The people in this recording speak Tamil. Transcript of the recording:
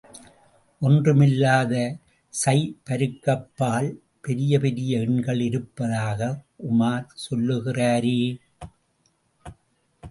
ஒன்றுமில்லாத சைபருக்கப்பால் பெரிய பெரிய எண்கள் இருப்பதாக உமார் சொல்லுகிறாரே!